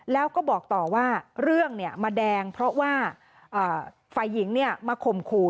แล้วก็บอกต่อว่าเรื่องมาแดงเพราะว่าฝ่ายหญิงมาข่มขู่